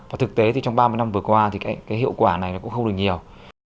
và thực tế thì trong ba mươi năm vừa qua thì cái hiệu quả này nó cũng không được nhiều